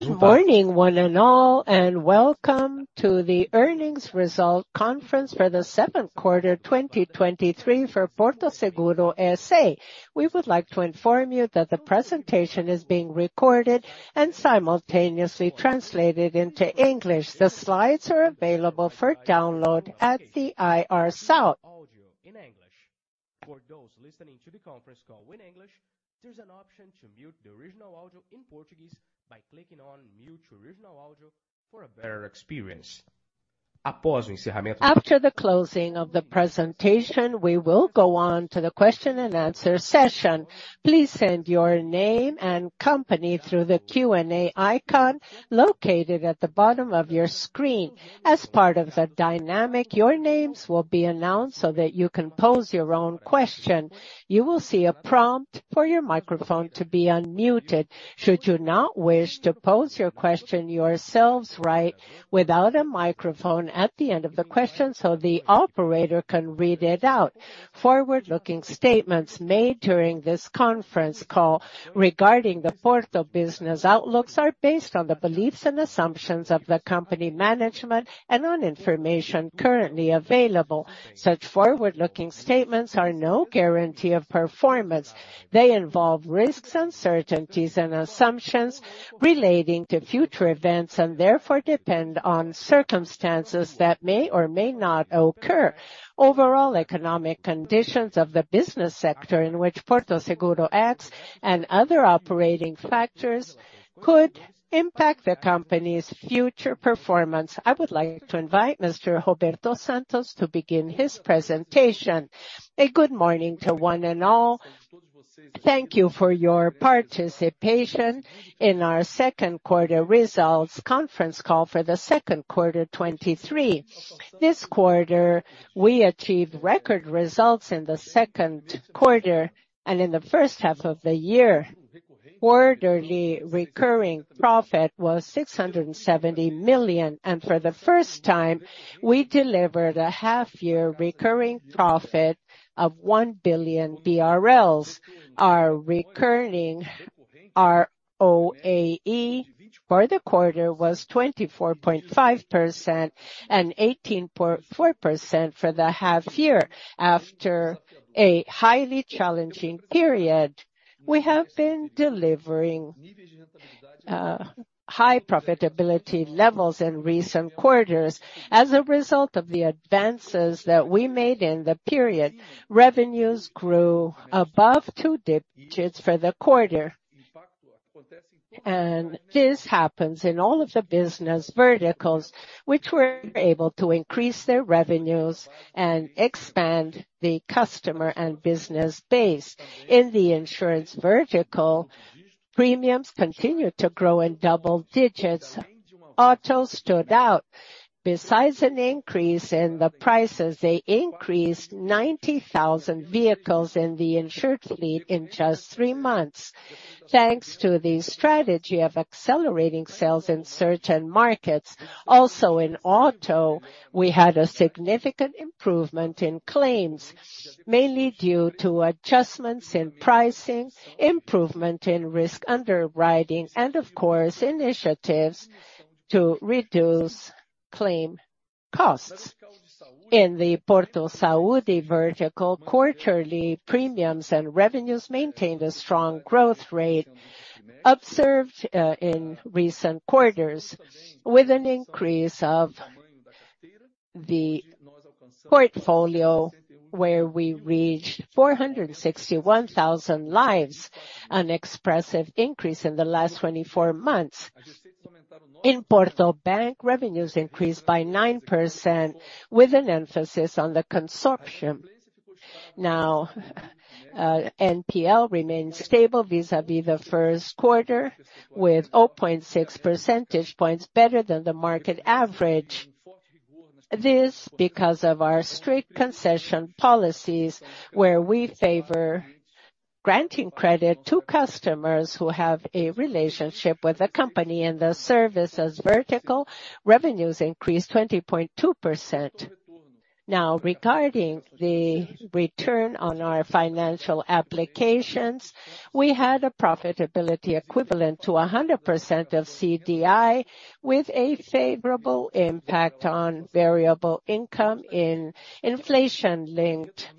Good morning, one and all, and welcome to the earnings result conference for the seventh quarter, 2023 for Porto Seguro S.A. We would like to inform you that the presentation is being recorded and simultaneously translated into English. The slides are available for download at the IR site. Audio in English. For those listening to the conference call in English, there's an option to mute the original audio in Portuguese by clicking on Mute Original Audio for a better experience. After the closing of the presentation, we will go on to the question and answer session. Please send your name and company through the Q&A icon located at the bottom of your screen. As part of the dynamic, your names will be announced so that you can pose your own question. You will see a prompt for your microphone to be unmuted, should you not wish to pose your question yourselves right without a microphone at the end of the question so the operator can read it out. Forward-looking statements made during this conference call regarding the Porto business outlooks are based on the beliefs and assumptions of the company management and on information currently available. Such forward-looking statements are no guarantee of performance. They involve risks, uncertainties, and assumptions relating to future events, and therefore depend on circumstances that may or may not occur. Overall economic conditions of the business sector in which Porto Seguro acts and other operating factors could impact the company's future performance. I would like to invite Mr. Roberto Santos to begin his presentation. A good morning to one and all. Thank you for your participation in our second quarter results conference call for the second quarter, 2023. This quarter, we achieved record results in the second quarter and in the first half of the year. Quarterly recurring profit was 670 million, and for the first time, we delivered a half year recurring profit of 1 billion BRL. Our recurring ROAE for the quarter was 24.5% and 18.4% for the half year. After a highly challenging period, we have been delivering high profitability levels in recent quarters. As a result of the advances that we made in the period, revenues grew above two digits for the quarter. This happens in all of the business verticals, which were able to increase their revenues and expand the customer and business base. In the insurance vertical, premiums continued to grow in double digits. Auto stood out. Besides an increase in the prices, they increased 90,000 vehicles in the insured fleet in just three months. Thanks to the strategy of accelerating sales in certain markets, also in Auto, we had a significant improvement in claims, mainly due to adjustments in pricing, improvement in risk underwriting, and of course, initiatives to reduce claim costs. In the Porto Saúde vertical, quarterly premiums and revenues maintained a strong growth rate observed in recent quarters, with an increase of the portfolio, where we reached 461,000 lives, an expressive increase in the last 24 months. In Porto Bank, revenues increased by 9%, with an emphasis on the consumption. Now, NPL remains stable vis-à-vis the first quarter, with 0.6 percentage points better than the market average. This because of our strict concession policies, where we favor granting credit to customers who have a relationship with the company. In the services vertical, revenues increased 20.2%. Now, regarding the return on our financial applications, we had a profitability equivalent to 100% of CDI, with a favorable impact on variable income in inflation-linked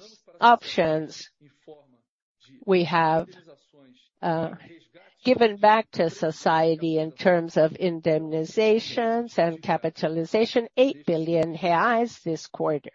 options. We have given back to society in terms of indemnizations and capitalization, 8 billion reais this quarter.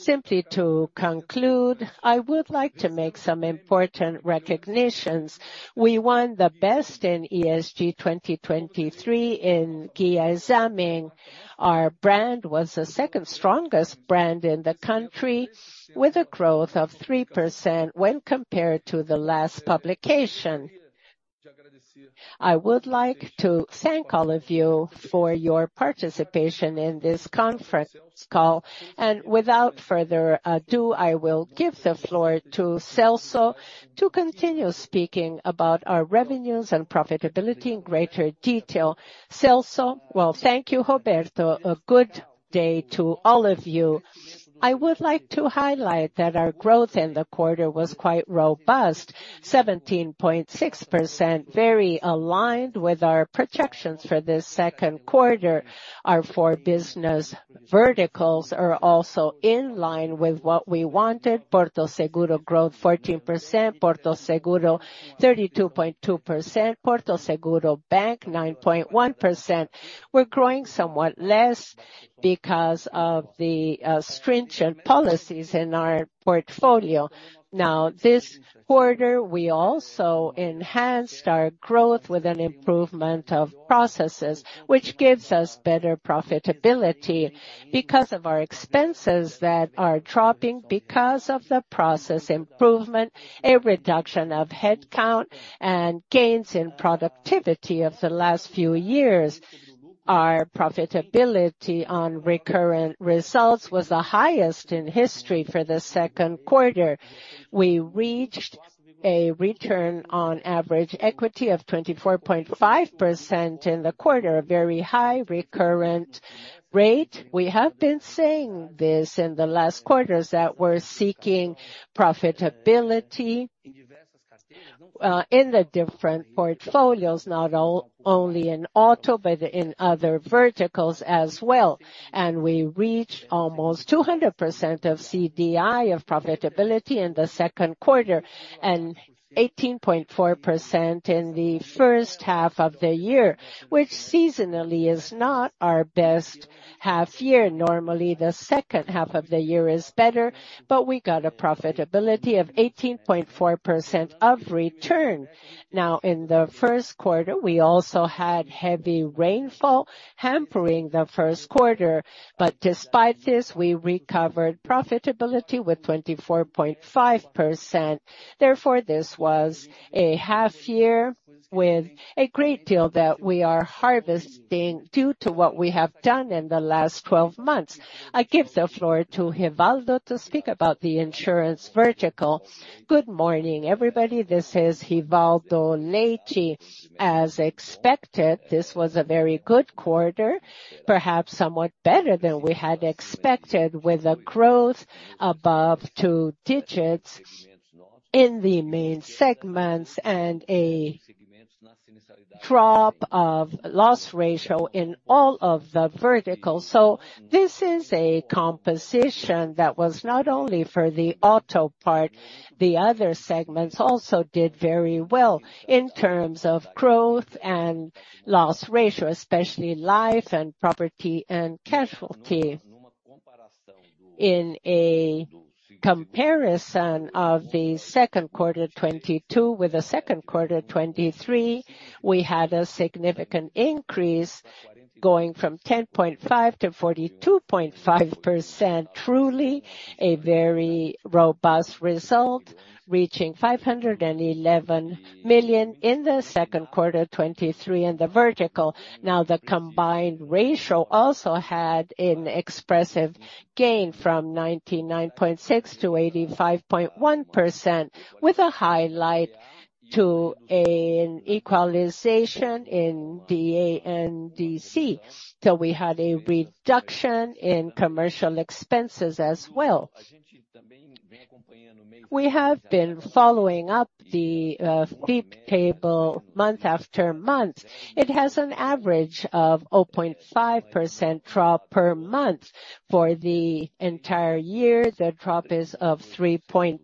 Simply to conclude, I would like to make some important recognitions. We won the Best in ESG 2023 in Guia Exame. Our brand was the second strongest brand in the country, with a growth of 3% when compared to the last publication. I would like to thank all of you for your participation in this conference call. Without further ado, I will give the floor to Celso to continue speaking about our revenues and profitability in greater detail. Celso? Well, thank you, Roberto. A good day to all of you. I would like to highlight that our growth in the quarter was quite robust, 17.6%, very aligned with our projections for this second quarter. Our 4 business verticals are also in line with what we wanted. Porto Seguro growth, 14%, Porto Seguro, 32.2%, Porto Seguro Bank, 9.1%. We're growing somewhat less because of the stringent policies in our portfolio. This quarter, we also enhanced our growth with an improvement of processes, which gives us better profitability because of our expenses that are dropping because of the process improvement, a reduction of headcount, and gains in productivity of the last few years. Our profitability on recurrent results was the highest in history for the second quarter. We reached a return on average equity of 24.5% in the quarter, a very high recurrent rate. We have been saying this in the last quarters, that we're seeking profitability in the different portfolios, not only in auto, but in other verticals as well. We reach almost 200% of CDI of profitability in the second quarter, and 18.4% in the first half of the year, which seasonally is not our best half-year. Normally, the second half of the year is better. We got a profitability of 18.4% of return. In the first quarter, we also had heavy rainfall hampering the first quarter. Despite this, we recovered profitability with 24.5%. This was a half-year with a great deal that we are harvesting due to what we have done in the last 12 months. I give the floor to Rivaldo to speak about the insurance vertical. Good morning, everybody. This is Rivaldo Leite. As expected, this was a very good quarter, perhaps somewhat better than we had expected, with a growth above two digits in the main segments and a drop of loss ratio in all of the verticals. This is a composition that was not only for the auto part, the other segments also did very well in terms of growth and loss ratio, especially life and property and casualty. In a comparison of the second quarter 2022 with the second quarter 2023, we had a significant increase, going from 10.5%-42.5%. Truly, a very robust result, reaching 511 million in the second quarter 2023 in the vertical. The combined ratio also had an expressive gain from 99.6 to 85.1%, with a highlight to an equalization in DANDC. We had a reduction in commercial expenses as well. We have been following up the fee table month after month. It has an average of 0.5% drop per month. For the entire year, the drop is of 3.2.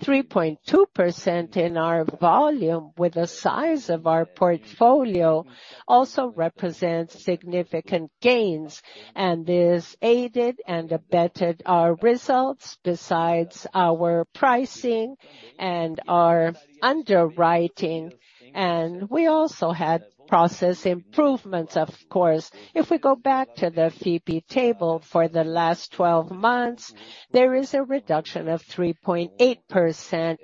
3.2% in our volume, with the size of our portfolio, also represents significant gains and this aided and abetted our results, besides our pricing and our underwriting, and we also had process improvements, of course. If we go back to the fee table for the last 12 months, there is a reduction of 3.8%.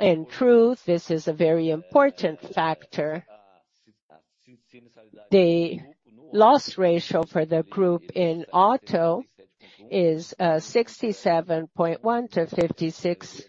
In truth, this is a very important factor. The loss ratio for the group in auto is 67.1%-51.7%,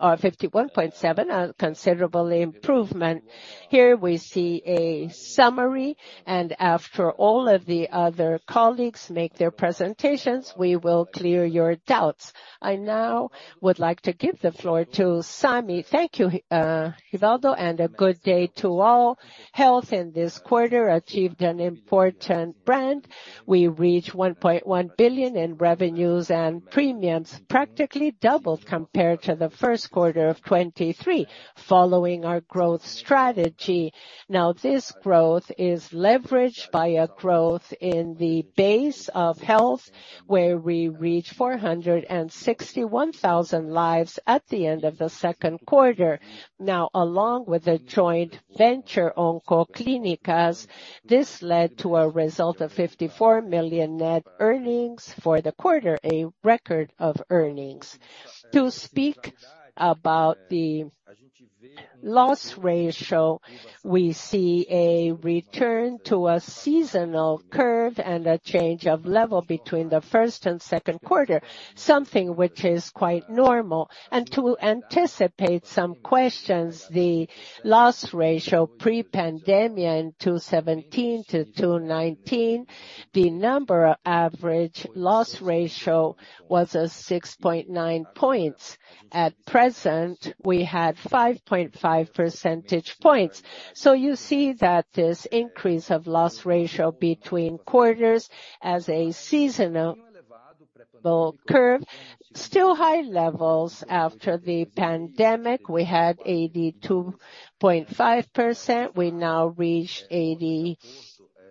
a considerable improvement. Here we see a summary. After all of the other colleagues make their presentations, we will clear your doubts. I now would like to give the floor to Sami. Thank you, Rivaldo, and a good day to all. Health in this quarter achieved an important brand. We reached 1.1 billion in revenues and premiums, practically doubled compared to the first quarter of 2023, following our growth strategy. This growth is leveraged by a growth in the base of health, where we reached 461,000 lives at the end of the second quarter. Along with a joint venture, Oncoclínicas, this led to a result of 54 million net earnings for the quarter, a record of earnings. To speak about the-... Loss ratio, we see a return to a seasonal curve and a change of level between the first and second quarter, something which is quite normal. To anticipate some questions, the loss ratio pre-pandemic in 2017-2019, the number average loss ratio was at 6.9 points. At present, we had 5.5 percentage points. You see that this increase of loss ratio between quarters as a seasonal curve, still high levels after the pandemic, we had 82.5%, we now reach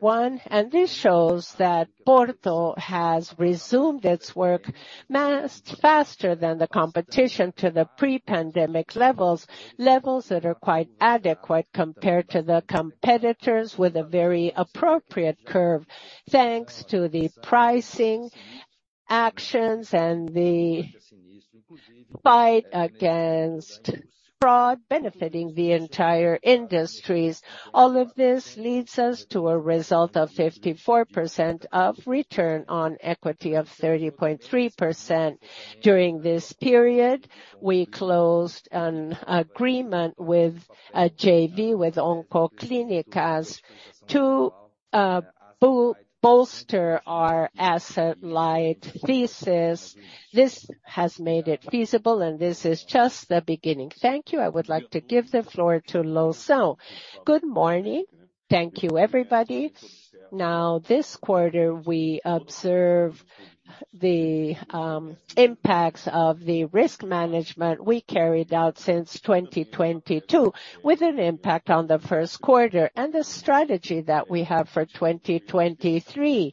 81%, this shows that Porto has resumed its work mass-- faster than the competition to the pre-pandemic levels, levels that are quite adequate compared to the competitors, with a very appropriate curve, thanks to the pricing actions and the fight against fraud, benefiting the entire industries. All of this leads us to a result of 54% of return on equity of 30.3%. During this period, we closed an agreement with a JV, with Oncoclínicas, to bolster our asset light thesis. This has made it feasible, and this is just the beginning. Thank you. I would like to give the floor to Loução. Good morning. Thank you, everybody. This quarter, we observe the impacts of the risk management we carried out since 2022, with an impact on the first quarter and the strategy that we have for 2023.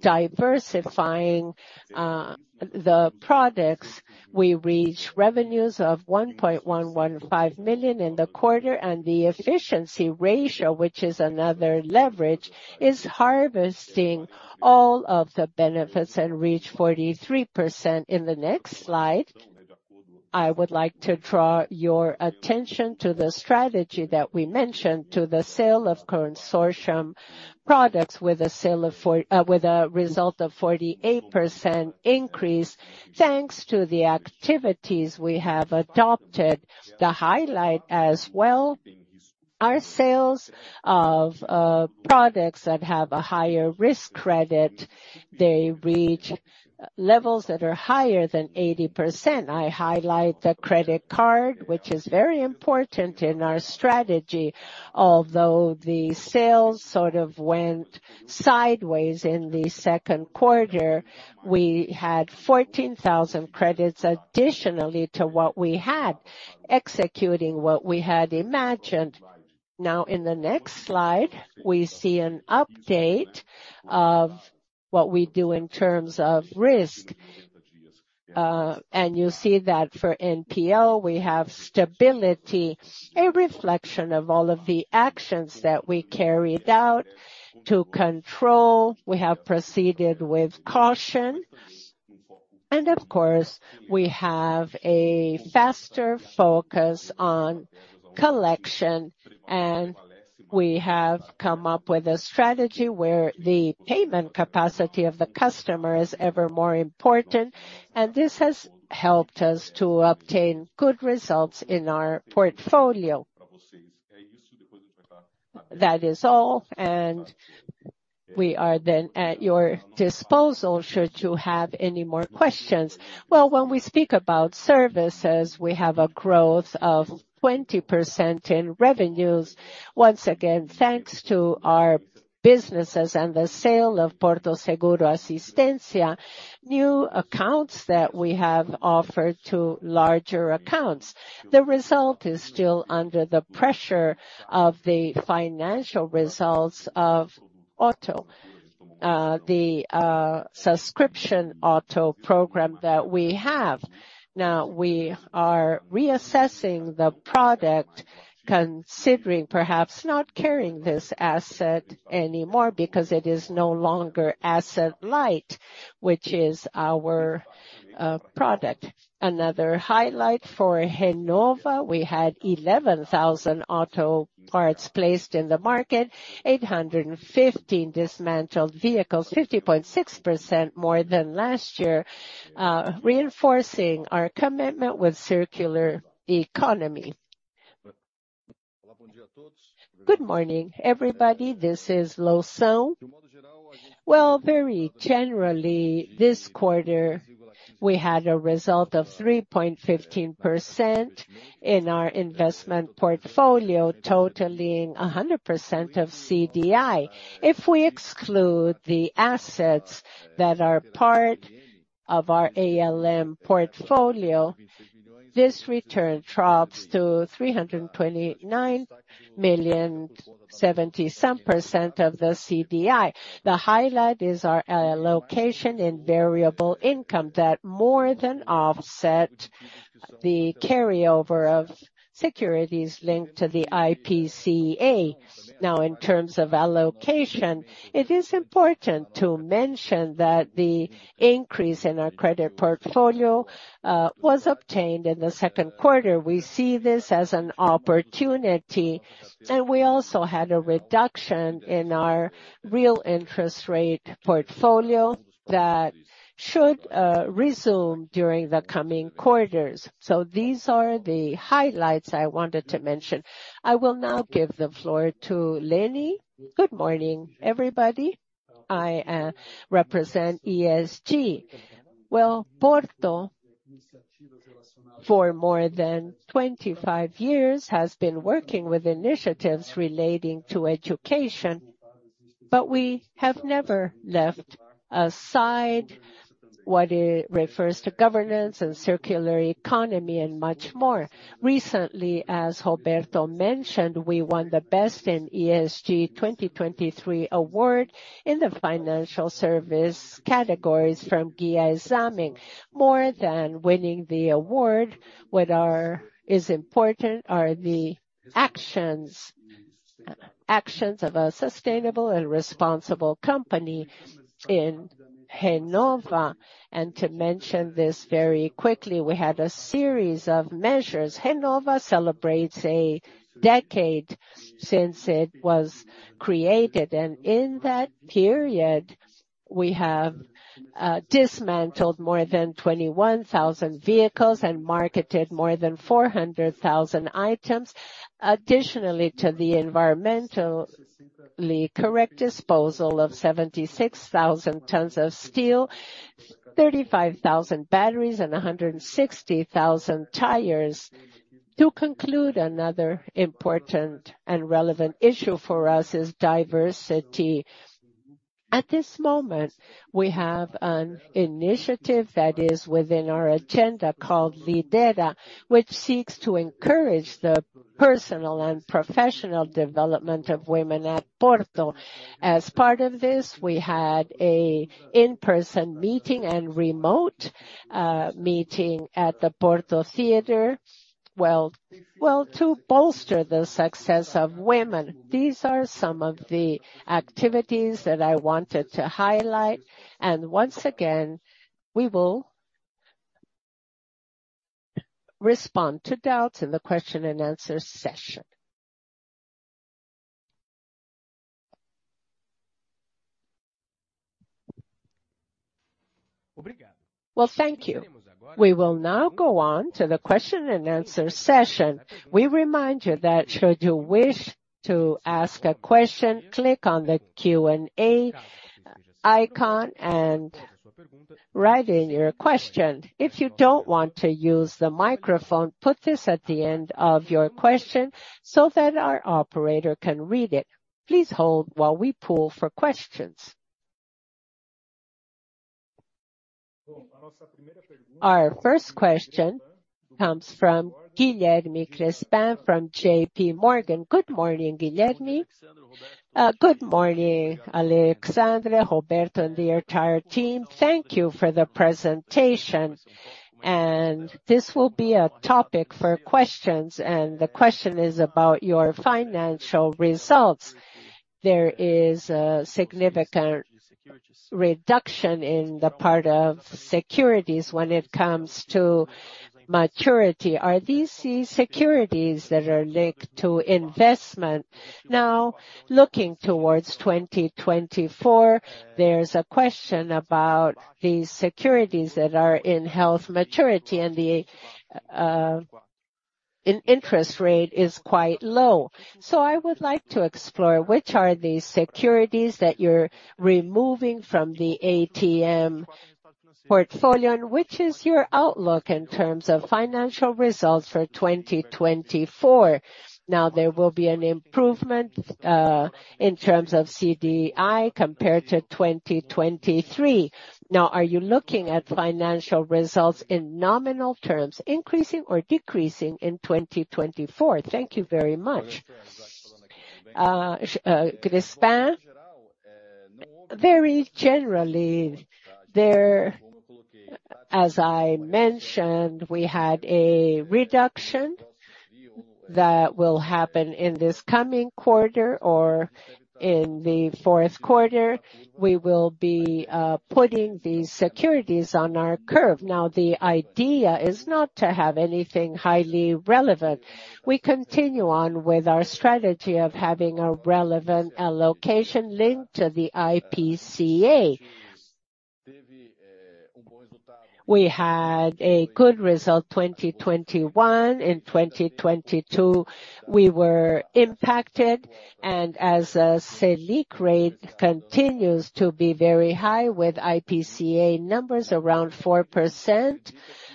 Diversifying the products, we reach revenues of 1.115 million in the quarter, and the efficiency ratio, which is another leverage, is harvesting all of the benefits and reach 43%. In the next slide, I would like to draw your attention to the strategy that we mentioned, to the sale of consortium products with a sale of with a result of 48% increase, thanks to the activities we have adopted. The highlight as well, our sales of products that have a higher risk credit, they reach levels that are higher than 80%. I highlight the credit card, which is very important in our strategy. Although the sales sort of went sideways in the second quarter, we had 14,000 credits additionally to what we had, executing what we had imagined. In the next slide, we see an update of what we do in terms of risk. You see that for NPL, we have stability, a reflection of all of the actions that we carried out to control. We have proceeded with caution, and of course, we have a faster focus on collection, and we have come up with a strategy where the payment capacity of the customer is ever more important, and this has helped us to obtain good results in our portfolio. That is all, and we are then at your disposal, should you have any more questions. Well, when we speak about services, we have a growth of 20% in revenues. Once again, thanks to our businesses and the sale of Porto Seguro Assistência, new accounts that we have offered to larger accounts. The result is still under the pressure of the financial results of auto, the subscription auto program that we have. Now, we are reassessing the product, considering perhaps not carrying this asset anymore because it is no longer asset light, which is our product. Another highlight for Renova, we had 11,000 auto parts placed in the market, 815 dismantled vehicles, 50.6% more than last year, reinforcing our commitment with circular economy. Good morning, everybody. This is Loução. Well, very generally, this quarter, we had a result of 3.15% in our investment portfolio, totaling 100% of CDI. If we exclude the assets that are part of our ALM portfolio, this return drops to 329 million, 70 some percent of the CDI. The highlight is our location in variable income that more than offset the carryover of securities linked to the IPCA. In terms of allocation, it is important to mention that the increase in our credit portfolio was obtained in the second quarter. We see this as an opportunity. We also had a reduction in our real interest rate portfolio that should resume during the coming quarters. These are the highlights I wanted to mention. I will now give the floor to Lenny. Good morning, everybody. I represent ESG. Well, Porto, for more than 25 years, has been working with initiatives relating to education, but we have never left aside what it refers to governance and circular economy, and much more. Recently, as Roberto mentioned, we won the Best in ESG 2023 award in the financial service categories from Guia Exame. More than winning the award, what is important are the actions, actions of a sustainable and responsible company in Renova. To mention this very quickly, we had a series of measures. Renova celebrates a decade since it was created, and in that period, we have dismantled more than 21,000 vehicles and marketed more than 400,000 items. Additionally to the environmentally correct disposal of 76,000 tons of steel, 35,000 batteries, and 160,000 tires. To conclude, another important and relevant issue for us is diversity. At this moment, we have an initiative that is within our agenda called Lidera, which seeks to encourage the personal and professional development of women at Porto. As part of this, we had a in-person meeting and remote meeting at the Porto Theater. Well, well, to bolster the success of women, these are some of the activities that I wanted to highlight, and once again, we will respond to doubts in the question and answer session. Well, thank you. We will now go on to the question and answer session. We remind you that should you wish to ask a question, click on the Q&A icon and write in your question. If you don't want to use the microphone, put this at the end of your question so that our operator can read it. Please hold while we pull for questions. Our first question comes from Guilherme Grespan, from JP Morgan. Good morning, Guilherme. Good morning, Alexandre, Roberto, and the entire team. Thank you for the presentation, and this will be a topic for questions, and the question is about your financial results. There is a significant reduction in the part of securities when it comes to maturity. Are these the securities that are linked to investment? Now, looking towards 2024, there's a question about these securities that are in health maturity and the in interest rate is quite low. I would like to explore which are these securities that you're removing from the ATM portfolio, and which is your outlook in terms of financial results for 2024? Now, there will be an improvement in terms of CDI compared to 2023. Now, are you looking at financial results in nominal terms, increasing or decreasing in 2024? Thank you very much. Grespan, very generally, there, as I mentioned, we had a reduction that will happen in this coming quarter or in the fourth quarter. We will be putting these securities on our curve. Now, the idea is not to have anything highly relevant. We continue on with our strategy of having a relevant allocation linked to the IPCA. We had a good result, 2021. In 2022, we were impacted, and as Selic rate continues to be very high, with IPCA numbers around 4%,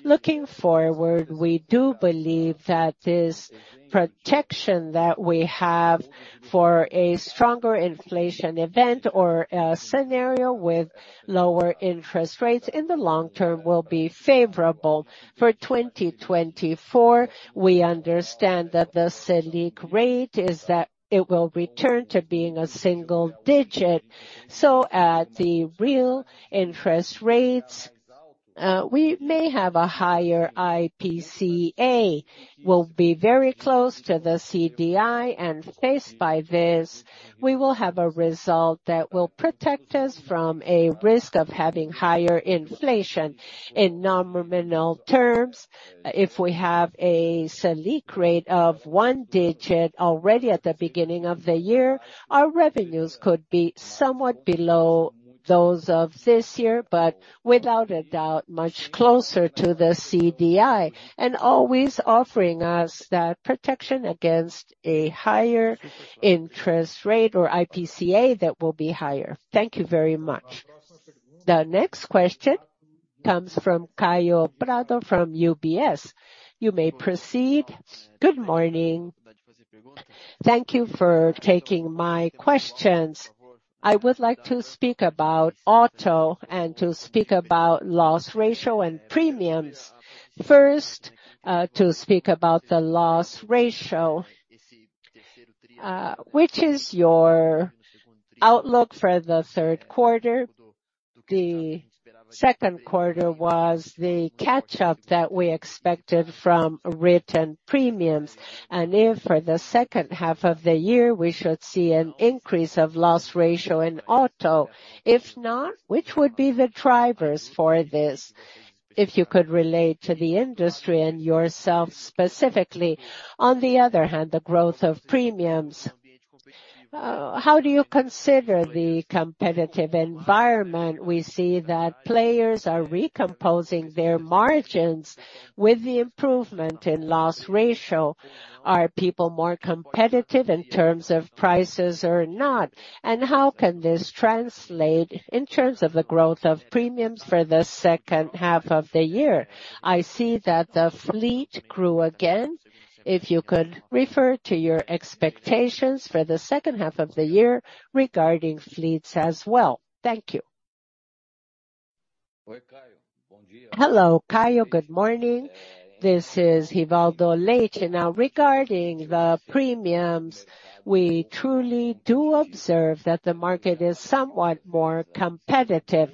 looking forward, we do believe that this protection that we have for a stronger inflation event or a scenario with lower interest rates in the long term will be favorable. For 2024, we understand that the Selic rate is that it will return to being a single digit. At the real interest rates, we may have a higher IPCA, will be very close to the CDI, and faced by this, we will have a result that will protect us from a risk of having higher inflation. In nominal terms, if we have a Selic rate of one digit already at the beginning of the year, our revenues could be somewhat below those of this year, but without a doubt, much closer to the CDI, and always offering us that protection against a higher interest rate or IPCA that will be higher. Thank you very much. The next question comes from Kaio Prato, from UBS. You may proceed. Good morning. Thank you for taking my questions. I would like to speak about auto and to speak about loss ratio and premiums. First, to speak about the loss ratio, which is your outlook for the third quarter? The second quarter was the catch-up that we expected from written premiums, and if for the second half of the year, we should see an increase of loss ratio in auto? If not, which would be the drivers for this, if you could relate to the industry and yourself specifically? On the other hand, the growth of premiums, how do you consider the competitive environment? We see that players are recomposing their margins with the improvement in loss ratio. Are people more competitive in terms of prices or not? How can this translate in terms of the growth of premiums for the second half of the year? I see that the fleet grew again. If you could refer to your expectations for the second half of the year regarding fleets as well. Thank you. Hello, Caio. Good morning. This is Rivaldo Leite. Now, regarding the premiums, we truly do observe that the market is somewhat more competitive.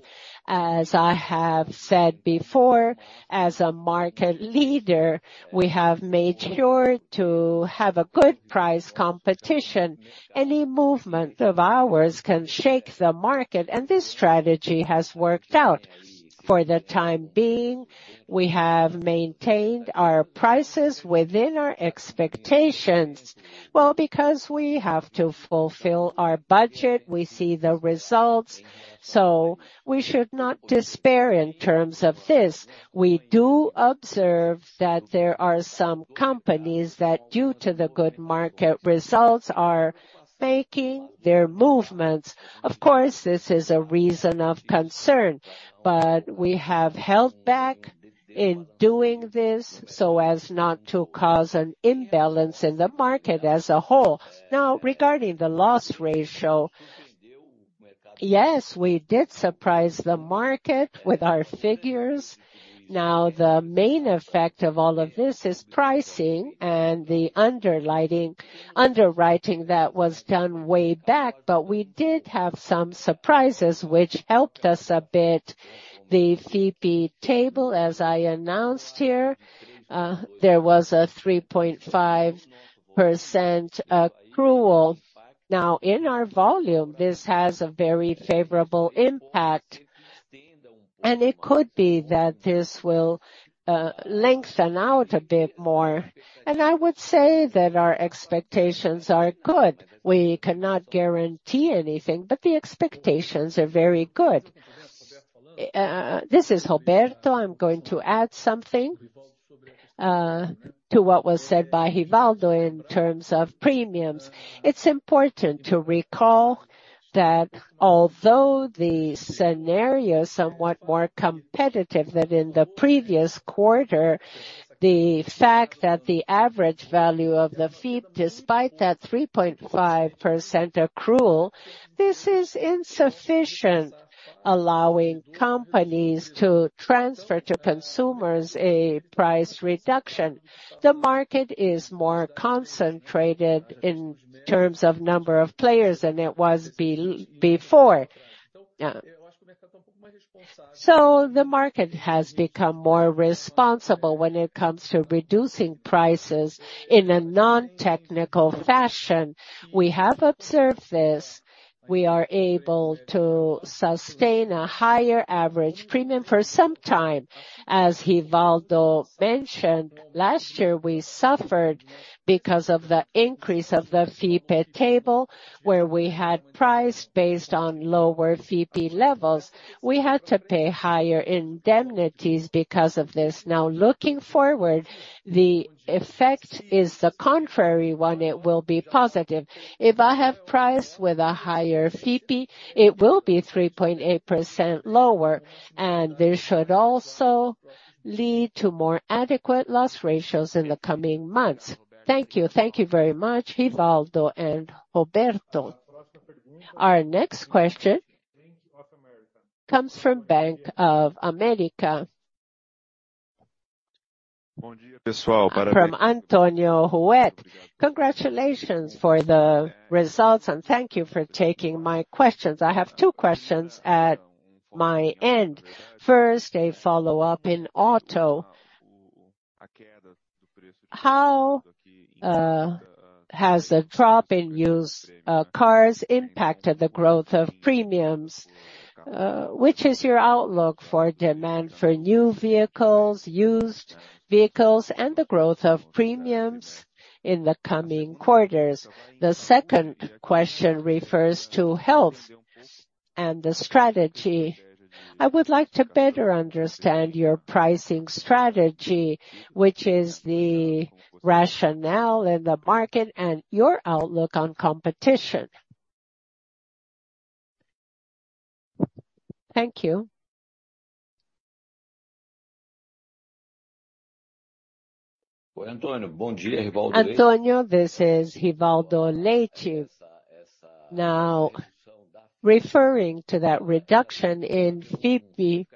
As I have said before, as a market leader, we have made sure to have a good price competition. Any movement of ours can shake the market. This strategy has worked out. For the time being, we have maintained our prices within our expectations. Well, because we have to fulfill our budget, we see the results. We should not despair in terms of this. We do observe that there are some companies that, due to the good market results, are making their movements. Of course, this is a reason of concern. We have held back in doing this so as not to cause an imbalance in the market as a whole. Now, regarding the loss ratio, yes, we did surprise the market with our figures. Now, the main effect of all of this is pricing and the underwriting that was done way back. We did have some surprises, which helped us a bit. The fee table, as I announced here, there was a 3.5% accrual. Now, in our volume, this has a very favorable impact, and it could be that this will lengthen out a bit more, and I would say that our expectations are good. We cannot guarantee anything, but the expectations are very good. This is Roberto. I'm going to add something to what was said by Rivaldo in terms of premiums. It's important to recall that although the scenario is somewhat more competitive than in the previous quarter, the fact that the average value of the fee, despite that 3.5% accrual, this is insufficient, allowing companies to transfer to consumers a price reduction. The market is more concentrated in terms of number of players than it was before. The market has become more responsible when it comes to reducing prices in a non-technical fashion. We have observed this. We are able to sustain a higher average premium for some time. As Rivaldo mentioned, last year, we suffered because of the increase of the fee paid table, where we had priced based on lower fee fee levels. We had to pay higher indemnities because of this. Looking forward, the effect is the contrary one, it will be positive. If I have priced with a higher fee fee, it will be 3.8% lower, and this should also lead to more adequate loss ratios in the coming months. Thank you. Thank you very much, Rivaldo and Roberto Santos. Our next question comes from Bank of America, from Antonio Huet. Congratulations for the results, and thank you for taking my questions. I have two questions at my end. First, a follow-up in auto. How has the drop in used cars impacted the growth of premiums? Which is your outlook for demand for new vehicles, used vehicles, and the growth of premiums in the coming quarters? The second question refers to health and the strategy. I would like to better understand your pricing strategy, which is the rationale in the market, and your outlook on competition. Thank you. Antonio, this is Rivaldo Leite. Referring to that reduction in FIPE,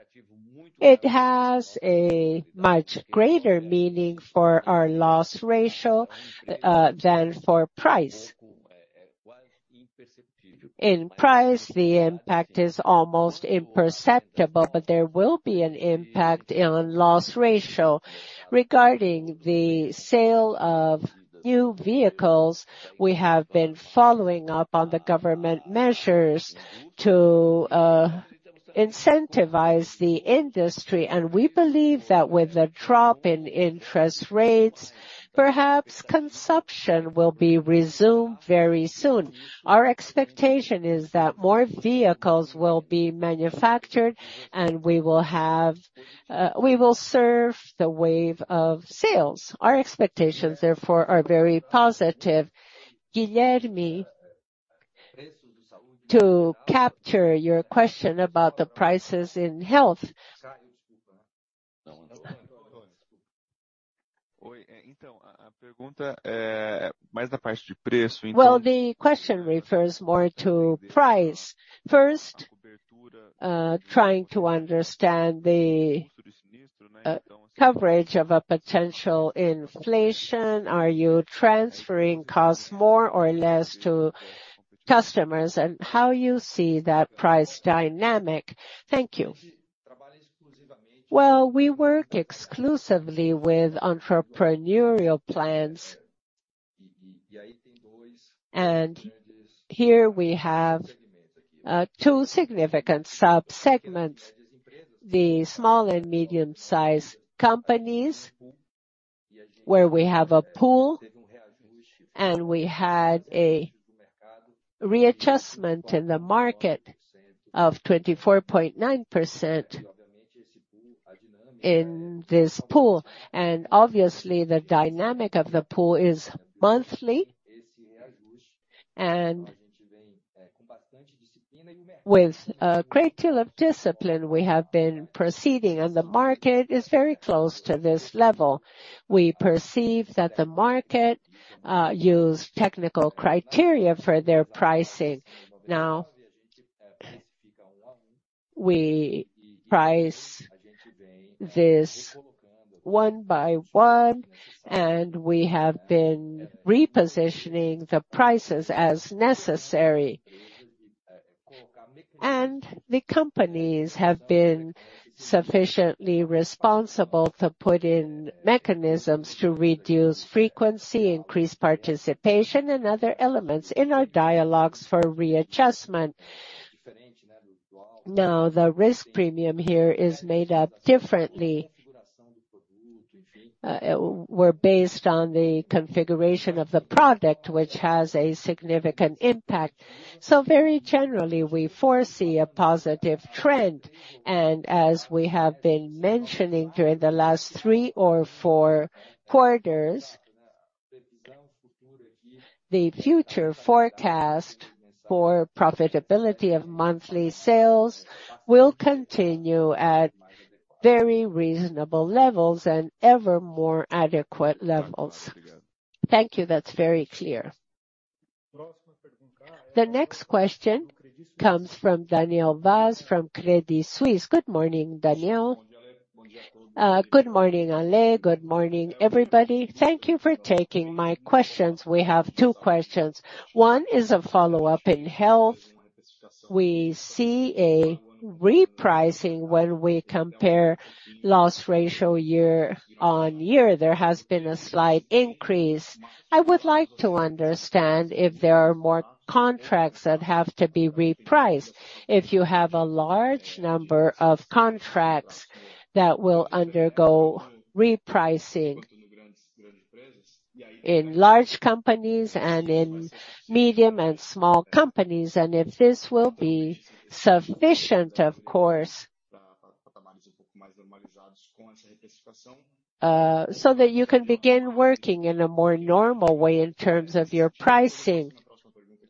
it has a much greater meaning for our loss ratio than for price. In price, the impact is almost imperceptible, but there will be an impact in loss ratio. Regarding the sale of new vehicles, we have been following up on the government measures to incentivize the industry, and we believe that with a drop in interest rates, perhaps consumption will be resumed very soon. Our expectation is that more vehicles will be manufactured and we will have, we will surf the wave of sales. Our expectations, therefore, are very positive. Guilherme, to capture your question about the prices in health. The question refers more to price. First, trying to understand the coverage of a potential inflation, are you transferring costs more or less to customers, and how you see that price dynamic? Thank you. We work exclusively with entrepreneurial plans. Here we have two significant sub-segments: the small and medium-sized companies, where we have a pool, and we had a readjustment in the market of 24.9% in this pool. Obviously, the dynamic of the pool is monthly, and with a great deal of discipline, we have been proceeding, and the market is very close to this level. We perceive that the market use technical criteria for their pricing. Now, we price this one by one, and we have been repositioning the prices as necessary. The companies have been sufficiently responsible to put in mechanisms to reduce frequency, increase participation, and other elements in our dialogues for readjustment. Now, the risk premium here is made up differently, where based on the configuration of the product, which has a significant impact. Very generally, we foresee a positive trend, and as we have been mentioning during the last three or four quarters, the future forecast for profitability of monthly sales will continue at very reasonable levels and evermore adequate levels. Thank you. That's very clear. The next question comes from Daniel Vaz, from Credit Suisse. Good morning, Daniel. Good morning, Alex. Good morning, everybody. Thank you for taking my questions. We have two questions. One is a follow-up in health. We see a repricing when we compare loss ratio year on year, there has been a slight increase. I would like to understand if there are more contracts that have to be repriced. If you have a large number of contracts that will undergo repricing in large companies and in medium and small companies, and if this will be sufficient, of course, so that you can begin working in a more normal way in terms of your pricing.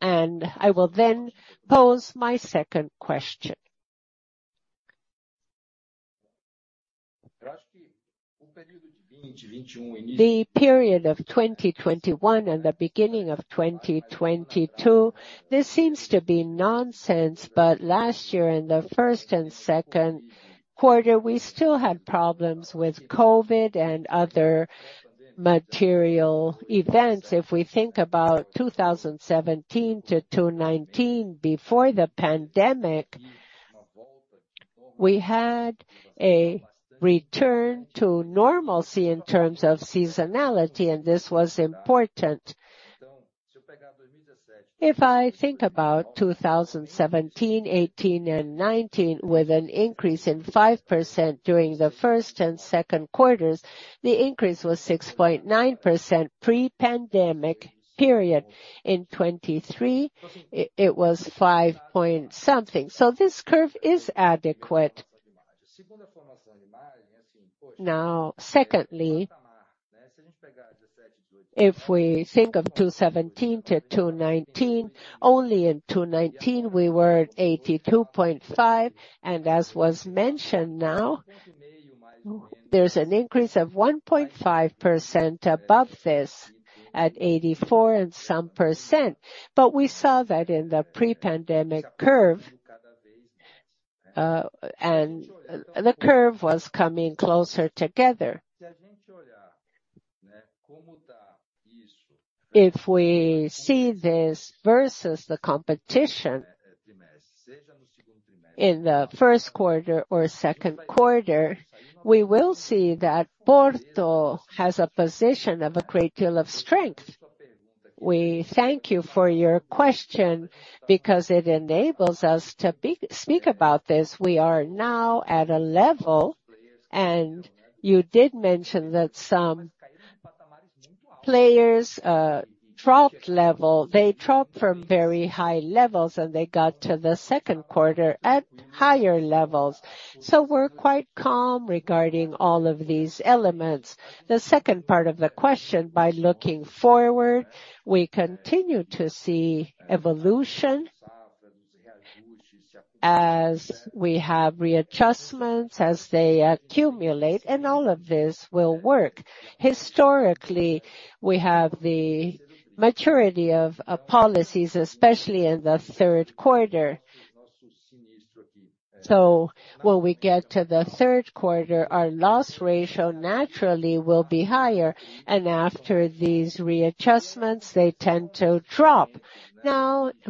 I will then pose my second question. The period of 2021 and the beginning of 2022, this seems to be nonsense, but last year, in the first and second quarter, we still had problems with COVID and other material events, if we think about 2017-2019, before the pandemic, we had a return to normalcy in terms of seasonality, and this was important. If I think about 2017, 2018, and 2019, with an increase in 5% during the first and second quarters, the increase was 6.9% pre-pandemic period. In 23, it was 5 point something. This curve is adequate. Secondly, if we think of 217-219, only in 219, we were at 82.5, and as was mentioned now, there's an increase of 1.5% above this, at 84 and some %. We saw that in the pre-pandemic curve, and the curve was coming closer together. If we see this versus the competition in the first quarter or second quarter, we will see that Porto has a position of a great deal of strength. We thank you for your question because it enables us to speak about this. We are now at a level, and you did mention that some players dropped level. They dropped from very high levels, and they got to the second quarter at higher levels. We're quite calm regarding all of these elements. The second part of the question, by looking forward, we continue to see evolution as we have readjustments, as they accumulate, and all of this will work. Historically, we have the maturity of policies, especially in the third quarter. When we get to the third quarter, our loss ratio naturally will be higher, and after these readjustments, they tend to drop.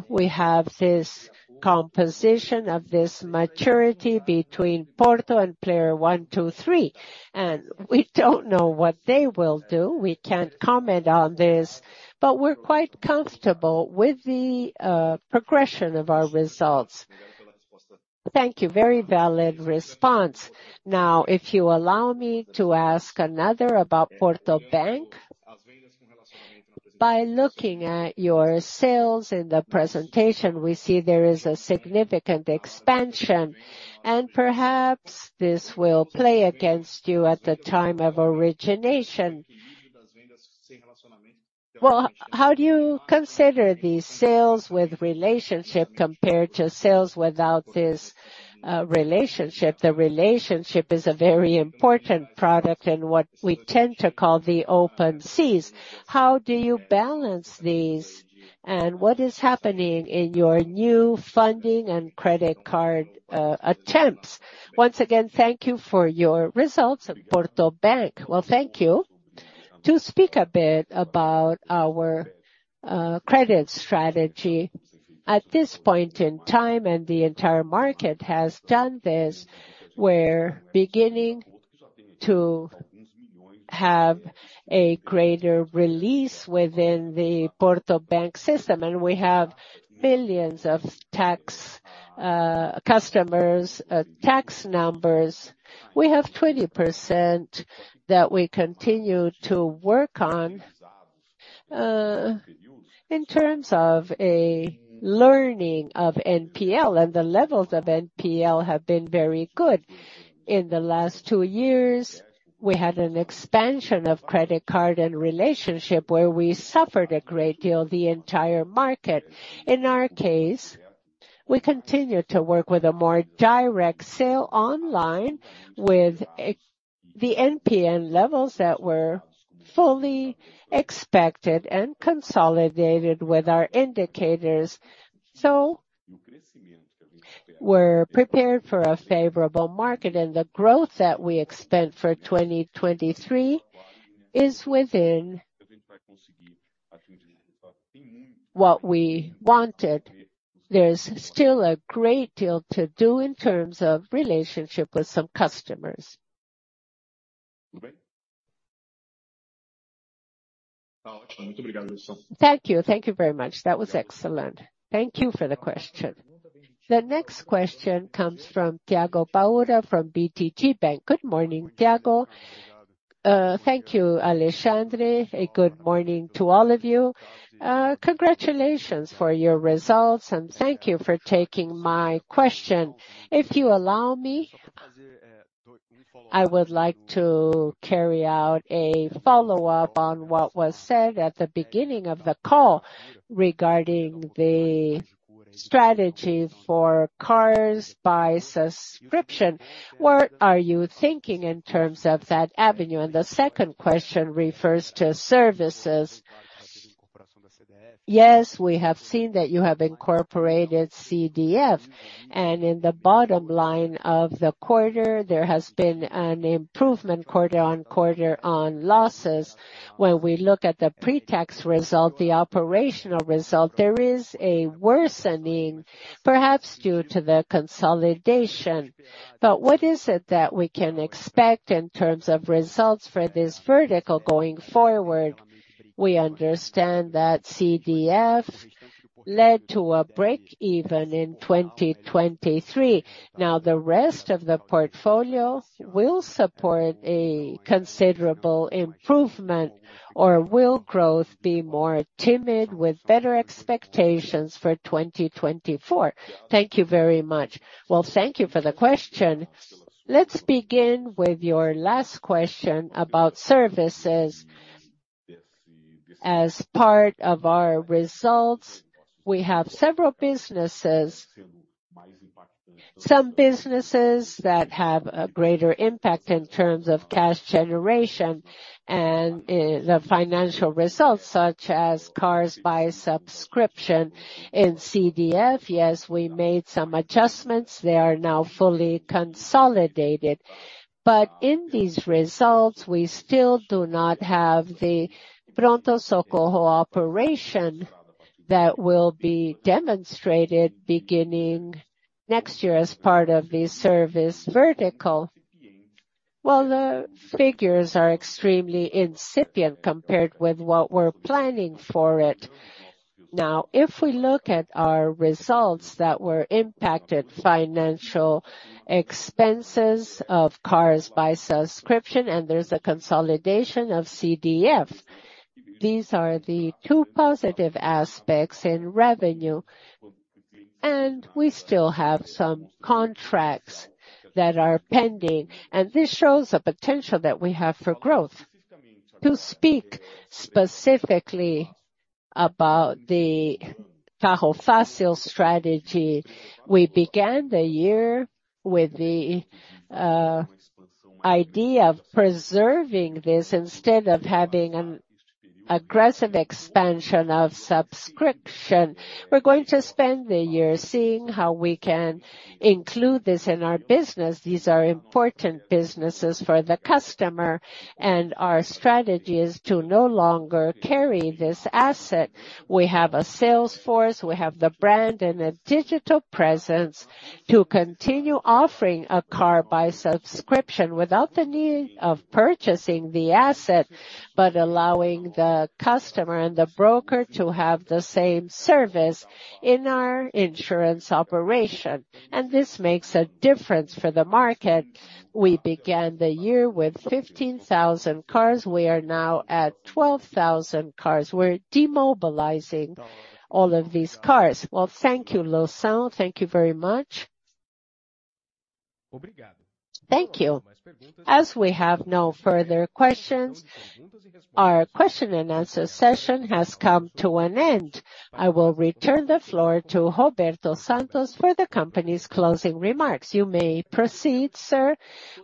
We have this composition of this maturity between Porto and player one, two three, and we don't know what they will do. We can't comment on this, but we're quite comfortable with the progression of our results. Thank you. Very valid response. If you allow me to ask another about Porto Bank. By looking at your sales in the presentation, we see there is a significant expansion, and perhaps this will play against you at the time of origination. How do you consider these sales with relationship compared to sales without this relationship? The relationship is a very important product in what we tend to call the open seas. How do you balance these, and what is happening in your new funding and credit card attempts? Once again, thank you for your results at Porto Bank. Thank you. To speak a bit about our credit strategy, at this point in time, and the entire market has done this, we're beginning to have a greater release within the Porto Bank system, and we have billions of tax customers, tax numbers. We have 20% that we continue to work on in terms of a learning of NPL, and the levels of NPL have been very good. In the last two years, we had an expansion of credit card and relationship where we suffered a great deal, the entire market. In our case, we continued to work with a more direct sale online, with the NPL levels that were fully expected and consolidated with our indicators. We're prepared for a favorable market, and the growth that we expect for 2023 is within what we wanted. There's still a great deal to do in terms of relationship with some customers. Thank you. Thank you very much. That was excellent. Thank you for the question. The next question comes from Tiago Paura from BTG Pactual. Good morning, Tiago. Thank you, Alexandre, a good morning to all of you. Congratulations for your results. Thank you for taking my question. If you allow me, I would like to carry out a follow-up on what was said at the beginning of the call regarding the strategy for cars by subscription. What are you thinking in terms of that avenue? The second question refers to services. Yes, we have seen that you have incorporated CDF, and in the bottom line of the quarter, there has been an improvement quarter-on-quarter on losses. When we look at the pre-tax result, the operational result, there is a worsening, perhaps due to the consolidation. What is it that we can expect in terms of results for this vertical going forward? We understand that CDF led to a break-even in 2023. The rest of the portfolio will support a considerable improvement, or will growth be more timid with better expectations for 2024? Thank you very much. Thank you for the question. Let's begin with your last question about services. As part of our results, we have several businesses. Some businesses that have a greater impact in terms of cash generation and the financial results, such as cars by subscription. In CDF, yes, we made some adjustments. They are now fully consolidated. In these results, we still do not have the Pronto Socorro operation that will be demonstrated beginning next year as part of the service vertical. The figures are extremely incipient compared with what we're planning for it. If we look at our results that were impacted, financial expenses of cars by subscription, and there's a consolidation of CDF. These are the two positive aspects in revenue, and we still have some contracts that are pending, and this shows the potential that we have for growth. To speak specifically about the Carro Fácil strategy, we began the year with the idea of preserving this instead of having an aggressive expansion of subscription. We're going to spend the year seeing how we can include this in our business. These are important businesses for the customer, and our strategy is to no longer carry this asset. We have a sales force, we have the brand and a digital presence to continue offering a car by subscription without the need of purchasing the asset, but allowing the customer and the broker to have the same service in our insurance operation. This makes a difference for the market. We began the year with 15,000 cars. We are now at 12,000 cars. We're demobilizing all of these cars. Thank you, Loução. Thank you very much. Thank you. As we have no further questions, our question and answer session has come to an end. I will return the floor to Roberto Santos for the company's closing remarks. You may proceed, sir.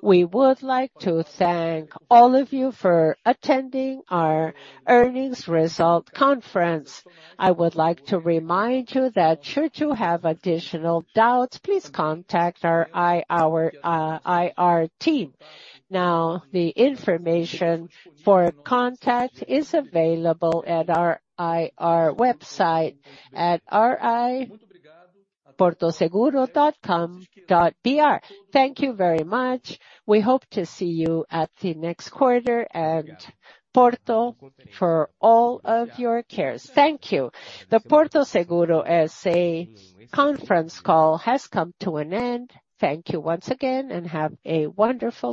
We would like to thank all of you for attending our earnings result conference. I would like to remind you that should you have additional doubts, please contact our IR team. The information for contact is available at our IR website at ri.portoseguro.com.br. Thank you very much. We hope to see you at the next quarter and Porto for all of your cares. Thank you. The Porto Seguro S.A. conference call has come to an end. Thank you once again, and have a wonderful day.